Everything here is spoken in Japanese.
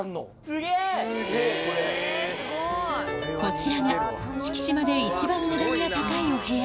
・・すげぇこれ・こちらが四季島で一番値段が高いお部屋